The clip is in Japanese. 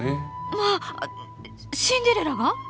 まあシンデレラが？